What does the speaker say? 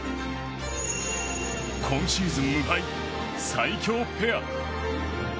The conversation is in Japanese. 今シーズン無敗、最強ペア。